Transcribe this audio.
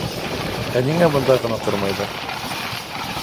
— Ә ниңә бында ғына тормайҙар?